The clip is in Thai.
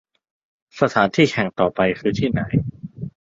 สถานที่แข่งที่ต่อไปคือที่ไหน